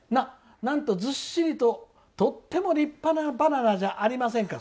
なんと、ずっしりととても立派なバナナじゃありませんか。